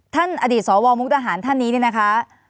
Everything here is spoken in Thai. อดีตสวมุกดาหารท่านนี้เนี่ยนะคะ